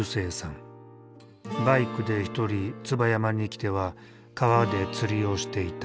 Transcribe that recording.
バイクで一人椿山に来ては川で釣りをしていた。